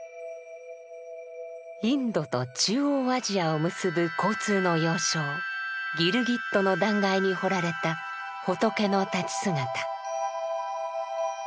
インドと中央アジアを結ぶ交通の要衝ギルギットの断崖に彫られた仏の立ち姿。